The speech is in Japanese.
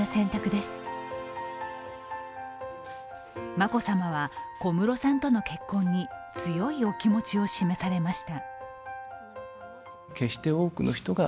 眞子さまは小室さんとの結婚に強いお気持ちを示されました。